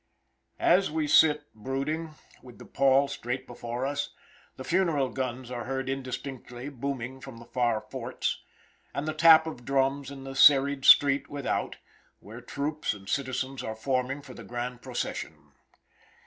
As we sit brooding, with the pall straight before us, the funeral guns are heard indistinctly booming from the far forts, with the tap of drums in the serried street without, where troops and citizens are forming for the grand procession.